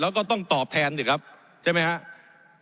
แล้วก็ต้องตอบแทนสิครับใช่ไหมครับ